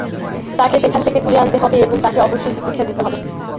তাকে সেখান থেকে তুলে আনতে হবে এবং তাকে অবশ্যই চিকিৎসা দিতে হবে।